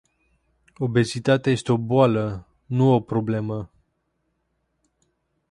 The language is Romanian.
Obezitatea este o boală, nu o problemă.